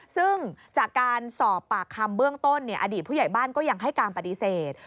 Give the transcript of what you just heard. ซึ่งจากการสอบปากคำเบื้องต้นอดีตผู้ใหญ่บ้านก็ยังให้การปฏิเสธ